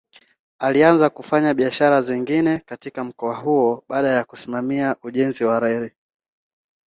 Alianza kufanya biashara zingine katika mkoa huo baada ya kusimamia ujenzi wa reli.